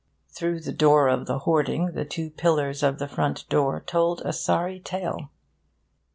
Through the door of the hoarding the two pillars of the front door told a sorry tale.